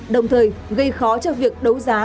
đồng thời gây khó cho việc đấu giá